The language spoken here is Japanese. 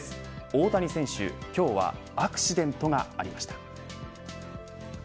大谷選手、今日はアクシデントがありました。